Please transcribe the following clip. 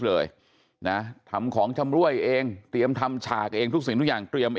เลยนะทำของชำรวยเองเตรียมทำฉากเองทุกสิ่งทุกอย่างเตรียม